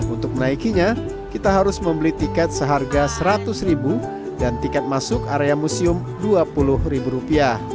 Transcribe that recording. untuk menaikinya kita harus membeli tiket seharga rp seratus dan tiket masuk area museum rp dua puluh